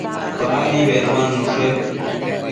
Padi beduannushe